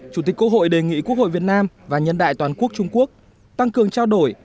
chủ tịch quốc hội đề nghị quốc hội việt nam và nhân đại toàn quốc trung quốc tăng cường trao đổi